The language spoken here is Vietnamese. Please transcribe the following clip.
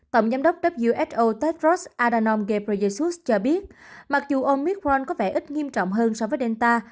tổng giám đốc who tedros adhanom ghebreyesus cho biết mặc dù omicron có vẻ ít nghiêm trọng hơn so với delta